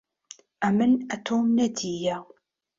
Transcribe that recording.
ئەمن ئەتۆم نەدییە